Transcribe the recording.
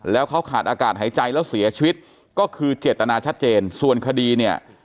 แล้วเขาขาดอากาศหายใจแล้วเสียชีวิตก็คือเจตนาชัดเจนส่วนคดีเนี่ย